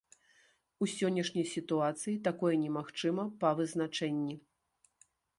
У сённяшняй сітуацыі такое немагчыма па вызначэнні.